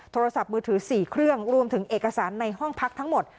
โทรศัพท์มือถือ๔เครื่องรวมถึงเอกสารในห้องพักทั้งหมด